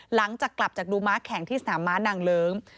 หลังจากกลับจากดูม้าแข่งที่สนามม้านางเลิ้ง